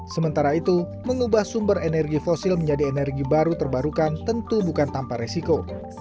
sementara itu mengubah sumber energi fosil menjadi energi baru terbarukan tentu bukan tanpa resiko